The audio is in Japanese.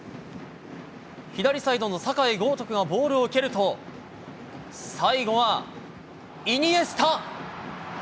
左サイドの酒井高徳がボールを受けると、最後はイニエスタ。